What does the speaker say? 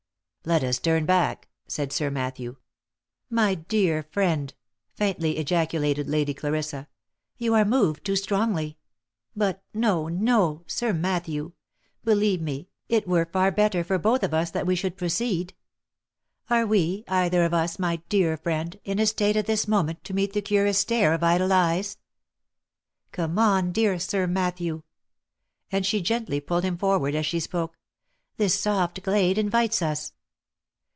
" Let us turn back," said Sir Matthew. " My dear friend," faintly ejaculated Lady Clarissa, " you are moved too strongly. — But — no, no ! Sir Matthew ! Believe me, it were far better for both of us that we should proceed. — Are we, either of us, my dear friend, in a state at this moment to meet the curious stare of idle eyes ?— Come on, dear Sir Matthew!" — and she gently pulled him forward as she spoke —" this soft glade invites us."